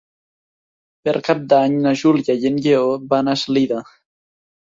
Per Cap d'Any na Júlia i en Lleó van a Eslida.